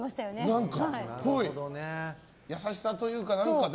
優しさというかね。